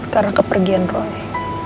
karena kepergian roy